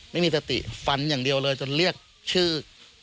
ไม่มีสติฟันอย่างเดียวเลยจนเรียกชื่อ